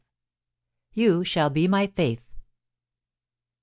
'you shall be my faith.'